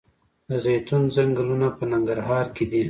د زیتون ځنګلونه په ننګرهار کې دي؟